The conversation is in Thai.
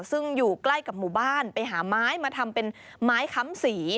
ซึ่งอยู่ใกล้กับหมู่บ้านไปหาไม้มาทำเป็นไม้ค้ำสี